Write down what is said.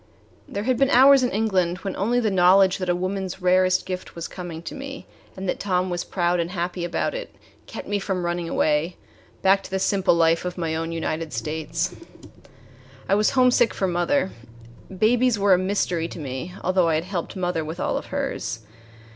There had been hours in England when only the knowledge that a woman's rarest gift was coming to me, and that Tom was proud and happy about it, kept me from running away back to the simple life of my own United States. I was homesick for mother. Babies were a mystery to me, although I had helped mother with all of hers.